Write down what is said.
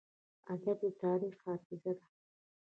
ادب د تاریخ حافظه ده.